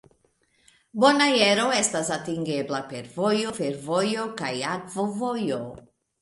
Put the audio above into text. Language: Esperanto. Bonaero estas atingebla per vojo, fervojo, kaj akvovojo.